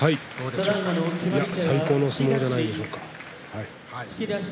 最高の相撲ではないでしょうか。